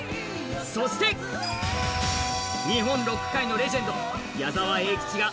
そして、日本ロック界のレジェンド・矢沢永吉が